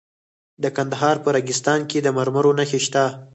د کندهار په ریګستان کې د مرمرو نښې شته.